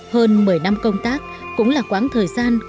hơn một mươi năm công tác cũng là quãng thời gian